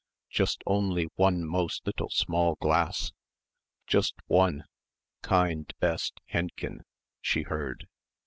Just only one most little small glass! Just one! Kind best, Hendchen!" she heard.